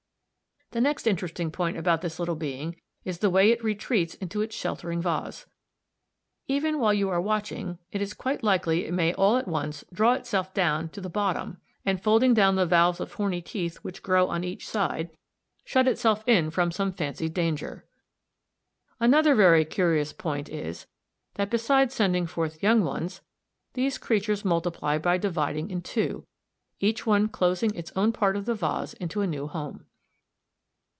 The next interesting point about this little being is the way it retreats into its sheltering vase. Even while you are watching, it is quite likely it may all at once draw itself down to the bottom as in No. 2, and folding down the valves v, v of horny teeth which grow on each side, shut itself in from some fancied danger. Another very curious point is that, besides sending forth young ones, these creatures multiply by dividing in two (see No. 3, Fig. 68), each one closing its own part of the vase into a new home.